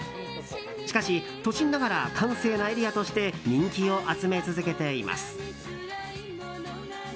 しかし、都心ながら閑静なエリアとして人気を集め続けています。